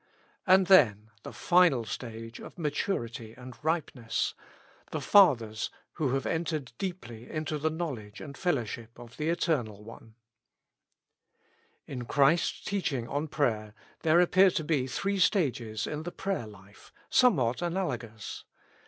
And then the final stage of maturity and ripe ness ; the fathers, who have entered deeply into the knowledge and fellowship of the Eternal One. In Christ's teaching on prayer there appear to be 200 With Christ in the School of Prayer. three stages in the prayer life, somewhat analogous.